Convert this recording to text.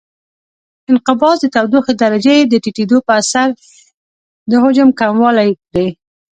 انقباض د تودوخې درجې د ټیټېدو په اثر د حجم کموالی دی.